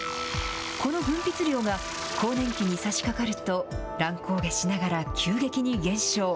この分泌量が更年期にさしかかると、乱高下しながら急激に減少。